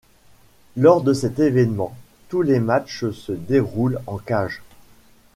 Lors de cet évènement, tous les matches se déroulent en cage.